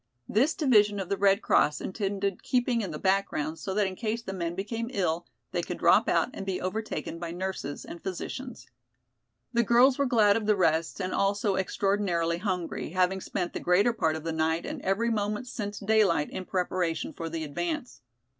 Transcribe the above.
This division of the Red Cross intended keeping in the background so that in case the men became ill, they could drop out and be overtaken by nurses and physicians. The girls were glad of the rest and also extraordinarily hungry, having spent the greater part of the night and every moment since daylight in preparation for the advance.